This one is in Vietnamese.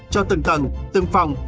cho từng tầng từng phòng